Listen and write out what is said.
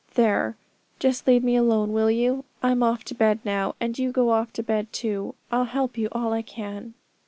There, just leave me alone, will you? I'm off to bed now, and you go to bed too. I'll help you all I can.'